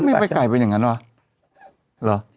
ไม่ไก่ไปอย่างนั้นหรอ